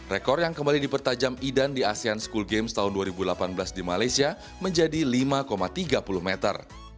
rekor yang kembali dipertajam idan di asean school games tahun dua ribu delapan belas di malaysia menjadi lima tiga puluh meter